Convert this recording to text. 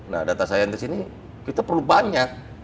nah data saintis ini kita perlu banyak